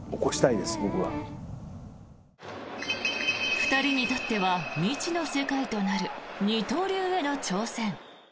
２人にとっては未知の世界となる二刀流への挑戦。